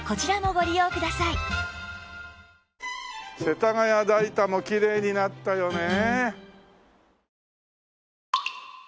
世田谷代田もきれいになったよね。